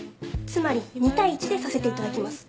つまり２対１でさせていただきます。